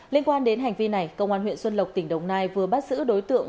liên quan đến hành vi này công an huyện xuân lộc tỉnh đồng nai vừa bắt giữ đối tượng